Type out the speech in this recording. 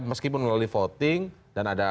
meskipun melalui voting dan ada